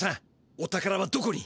お宝はどこに？